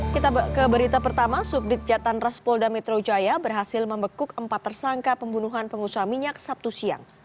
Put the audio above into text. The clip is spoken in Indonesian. kita ke berita pertama subdit jatan ras polda metro jaya berhasil membekuk empat tersangka pembunuhan pengusaha minyak sabtu siang